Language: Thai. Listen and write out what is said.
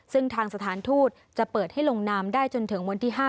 ซึ่งทางสถานทูตจะเปิดให้ลงนามได้จนถึงวันที่๕